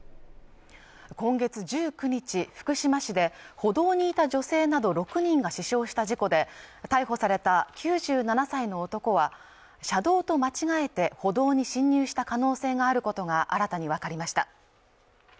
今月１９日福島市で歩道にいた女性など６人が死傷した事故で逮捕された９７歳の男は車道と間違えて歩道に進入した可能性があることが新たに分かりました